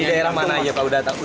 itu di daerah mana ya pak